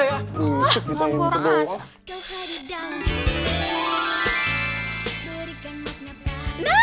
wah kurang aja